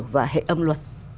và hệ âm luật